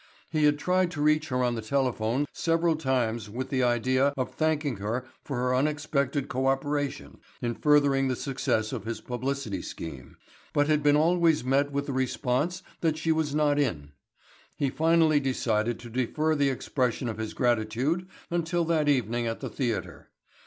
He had tried to reach her on the telephone several times with the idea of thanking her for her unexpected co operation in furthering the success of his publicity scheme, but had been always met with the response that she was not in. He finally decided to defer the expression of his gratitude until that evening at the theatre.